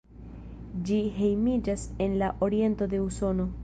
Ĝi hejmiĝas en la oriento de Usono.